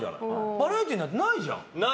バラエティーなんてないじゃん！